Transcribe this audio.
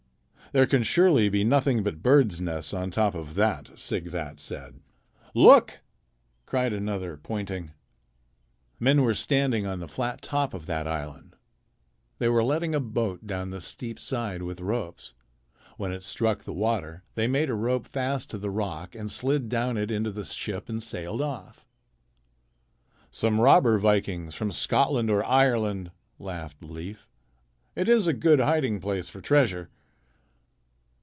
"There can surely be nothing but birds' nests on top of that," Sighvat said. "Look!" cried another, pointing. Men were standing on the flat top of that island. They were letting a boat down the steep side with ropes. When it struck the water, they made a rope fast to the rock and slid down it into the ship and sailed off. "Some robber vikings from Scotland or Ireland," laughed Leif. "It is a good hiding place for treasure."